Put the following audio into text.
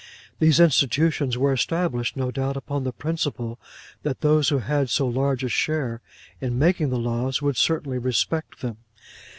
These institutions were established, no doubt, upon the principle that those who had so large a share in making the laws, would certainly respect them.